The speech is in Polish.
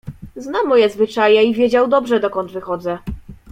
"Zna moje zwyczaje i wiedział dobrze, dokąd wychodzę."